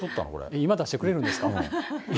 見してくれるんですか？